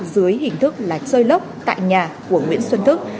dưới hình thức là chơi lốc tại nhà của nguyễn xuân thức